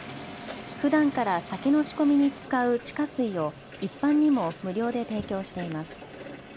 ふだんから酒の仕込みに使う地下水を一般にも無料で提供しています。